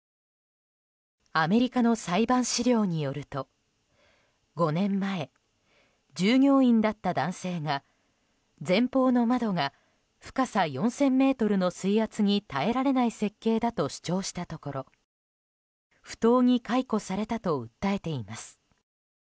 アメリカの裁判資料によると５年前、従業員だった男性が前方の窓が深さ４０００ｍの水圧に耐えられない設計だと主張したところ不当に解雇されたと訴えています。